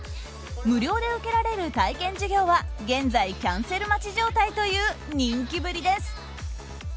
無料で受けられる体験授業は現在、キャンセル待ち状態という人気ぶりです。